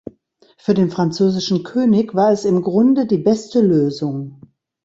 Für den französischen König war es im Grunde die beste Lösung.